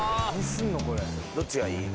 どっちがいい？